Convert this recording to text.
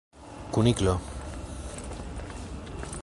kuniklo